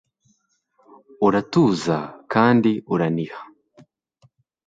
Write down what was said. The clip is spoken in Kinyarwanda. uratuza kandi uraniha